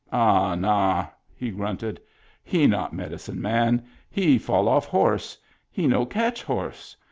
"Ah, nah," he grunted. " He not medicine man. He fall off horse. He no catch horse.